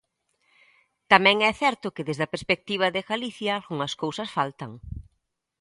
Tamén é certo que desde a perspectiva de Galicia algunhas cousas faltan.